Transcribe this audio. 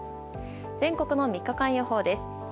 全国の３日間予報です。